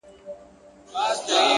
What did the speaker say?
صبر د لوړو هدفونو خاموش ملګری دی,